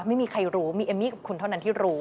ไม่มีใครรู้มีเอมมี่กับคุณเท่านั้นที่รู้